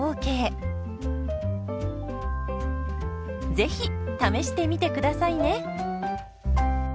ぜひ試してみてくださいね。